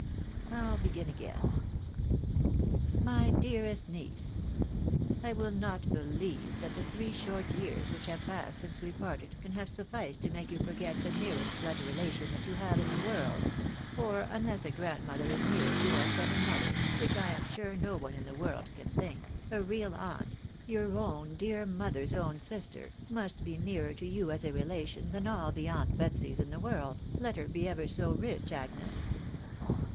I'll begin again." " My dearest Niece !" I will not believe that the three short years which have passed since we parted, can have sufBced to make you forget the nearest blood relation that you have in the world : for unless a grandmother is nearer to us than a mother, which I am sure no one in the world can think, a real aunt, your own dear mother's own sister, must be nearer to you as a relation than all the aunt Betsies in the world, let her be ever so rich, Agnes."